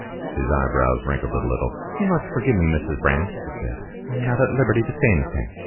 His eyebrows wrinkled a little. "You must forgive me, Mrs. Brand," he said. "I am not at liberty to say anything."